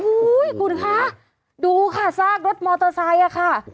อุ้ยคุณคะดูค่ะซากรถมอเตอร์ไซค์ค่ะ